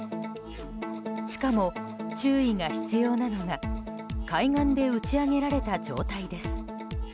しかも注意が必要なのが海岸で打ち揚げられた状態です。